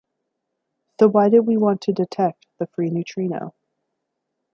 So why did we want to detect the free neutrino?